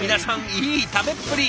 いい食べっぷり。